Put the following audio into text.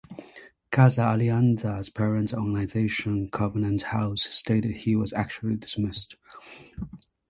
Casa Alianza's parent organization Covenant House stated he was actually dismissed.